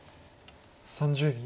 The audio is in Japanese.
３０秒。